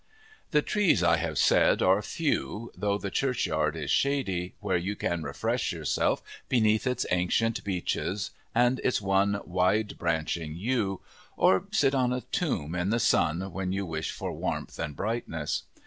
The trees, I have said, are few, though the churchyard is shady, where you can refresh yourself beneath its ancient beeches and its one wide branching yew, or sit on a tomb in the sun when you wish for warmth and brightness.